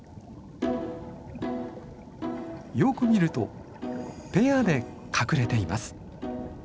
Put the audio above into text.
よく見るとペアで隠れています。